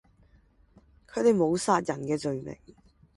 他們沒有殺人的罪名，